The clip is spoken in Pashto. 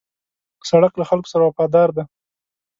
سړک له خلکو سره وفادار دی.